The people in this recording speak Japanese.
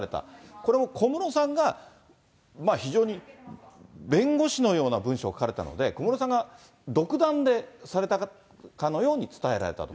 これも小室さんが非常に弁護士のような文書を書かれたので、小室さんが独断でされたかのように伝えられたと。